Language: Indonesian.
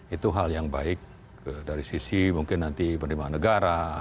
itu hal yang baik dari sisi mungkin nanti penerimaan negara